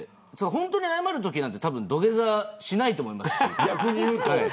本当に謝るときは土下座しないと思います。